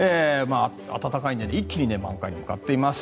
暖かいので一気に満開に向かっています。